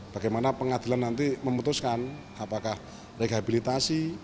bagaimana pengadilan nanti memutuskan apakah rehabilitasi